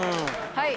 はい。